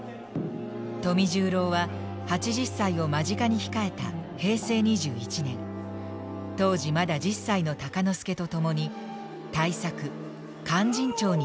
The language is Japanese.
富十郎は８０歳を間近に控えた平成２１年当時まだ１０歳の鷹之資と共に大作「勧進帳」に挑みました。